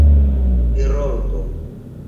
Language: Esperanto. heroldo